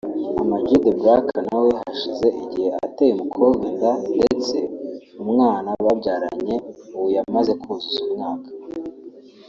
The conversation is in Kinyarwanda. Ama-G The Black nawe hashize igihe ateye umukobwa inda ndetse umwana babyaranye ubu yamaze kuzuza umwaka